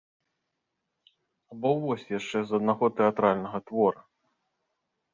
Або вось яшчэ з аднаго тэатральнага твора.